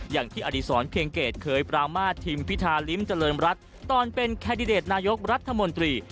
อย่างที่อดีศรเคียงเกตเคยปรามาททีมพิธาลิ้มเจริญรัฐตอนเป็นแคนดิเดตนายกรัฐมนตรี